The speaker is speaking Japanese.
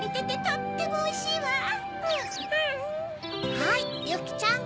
はいゆきちゃん。